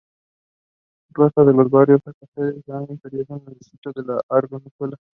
Pasa por los barrios de Acacias e Imperial, en el Distrito de Arganzuela.